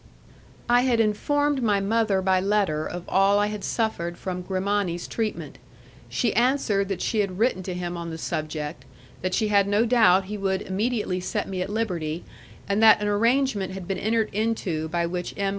I had informed my mother by letter of all I had suffered from Grimani's treatment; she answered that she had written to him on the subject, that she had no doubt he would immediately set me at liberty, and that an arrangement had been entered into by which M.